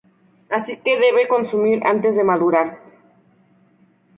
Así que se debe consumir antes de madurar.